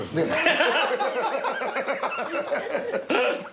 アハハハ！